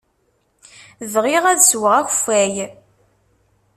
Bɣiɣ ad sweɣ akeffay.